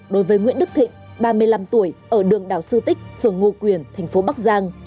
đối với nguyễn đức thịnh ba mươi năm tuổi ở đường đào sư tích phường ngô quyền thành phố bắc giang